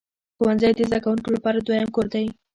ښوونځی د زده کوونکو لپاره دویم کور دی.